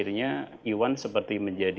terus jadi seperti ini